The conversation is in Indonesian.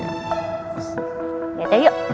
ya dah yuk